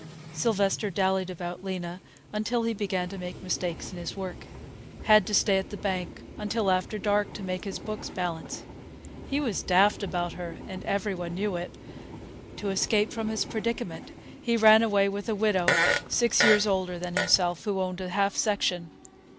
Sylvester dallied about Lena until he began to make mistakes in his work; had to stay at the bank until after dark to make his books balance. He was daft about her, and every one knew it. To escape from his predicament he ran away with a widow six years older than himself, who owned a half section.